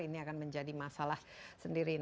ini akan menjadi masalah sendiri